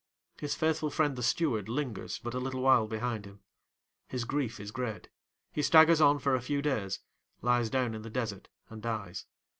His faithful friend, the steward, lingers but a little while behind him. His grief is great, he staggers on for a few days, lies down in the desert, and dies.